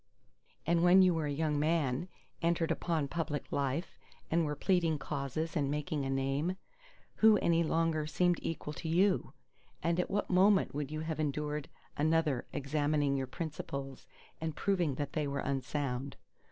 And when you were a young man, entered upon public life, and were pleading causes and making a name, who any longer seemed equal to you? And at what moment would you have endured another examining your principles and proving that they were unsound?